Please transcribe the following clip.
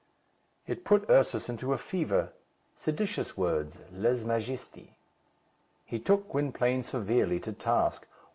It put Ursus into a fever. Seditious words, lèse Majesté. He took Gwynplaine severely to task.